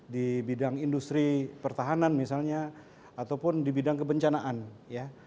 di bidang industri pertahanan misalnya ataupun di bidang kebencanaan ya